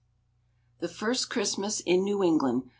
THE FIRST CHRISTMAS IN NEW ENGLAND.